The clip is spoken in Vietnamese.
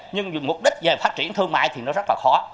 nhưng vì mục đích về phát triển thương mại thì nó rất là khó